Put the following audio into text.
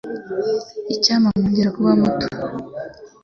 Icyampa nkongera kuba muto.